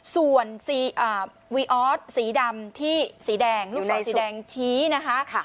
ส่วนวีออสสีดำที่สีแดงลูกศรสีแดงชี้นะคะ